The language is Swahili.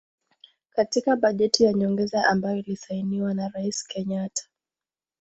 Katika bajeti ya nyongeza ambayo ilisainiwa na Rais Kenyatta